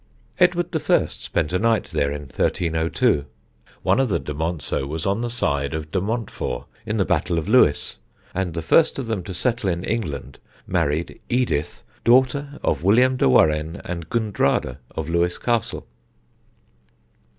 Edward the First spent a night there in 1302. One of the de Monceux was on the side of de Montfort in the Battle of Lewes, and the first of them to settle in England married Edith, daughter of William de Warenne and Gundrada, of Lewes Castle.